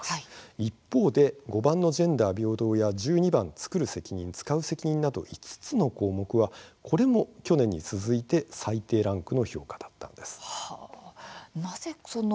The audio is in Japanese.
一方で５番のジェンダー平等や１２番のつくる責任つかう責任など５つの項目は、これも去年に続き最低評価でした。